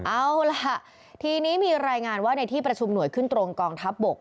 เอาล่ะทีนี้มีรายงานว่าในที่ประชุมหน่วยขึ้นตรงกองทัพบก